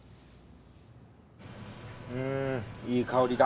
うーんいい香りだ。